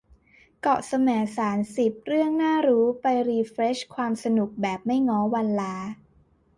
เกาะแสมสาร สิบ เรื่องน่ารู้ ไปรีเฟรชความสนุกแบบไม่ง้อวันลา